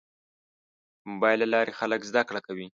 د موبایل له لارې خلک زده کړه کوي.